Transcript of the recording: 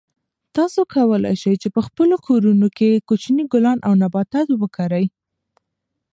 تاسو کولای شئ چې په خپلو کورونو کې کوچني ګلان او نباتات وکرئ.